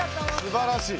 すばらしい。